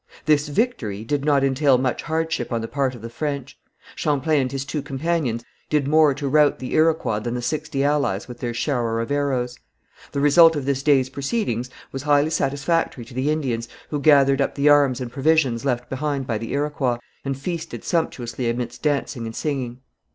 This victory did not entail much hardship on the part of the French. Champlain and his two companions did more to rout the Iroquois than the sixty allies with their shower of arrows. The result of this day's proceedings was highly satisfactory to the Indians, who gathered up the arms and provisions left behind by the Iroquois, and feasted sumptuously amidst dancing and singing.